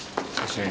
はい。